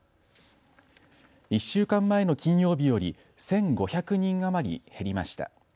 １週間前の金曜日より１５００人余り減りました。